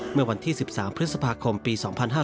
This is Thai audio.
เมื่อวันที่๑๓พฤษภาคมปี๒๕๕๙